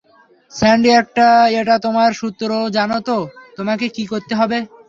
Sandy এটা তোমার সূত্র, জানো তো তোমাকে কি করতে হবে?